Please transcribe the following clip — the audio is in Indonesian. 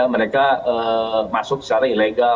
mereka masuk secara ilegal